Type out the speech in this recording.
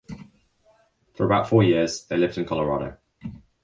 For about four years they lived in Colorado.